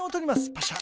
パシャ。